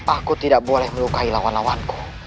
aku tidak boleh melukai lawan lawanku